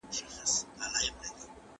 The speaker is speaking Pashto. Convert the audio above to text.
چي په رګونو کی ساه وچلوي